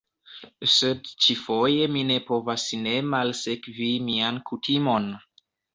Sed ĉi-foje mi ne povas ne malsekvi mian kutimon.